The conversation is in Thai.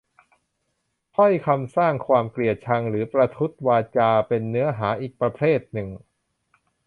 ถ้อยคำสร้างความเกลียดชัง หรือ ประทุษวาจา เป็นเนื้อหาอีกประเภทหนึ่ง